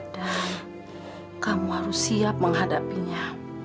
dan kamu harus siap menghadapinya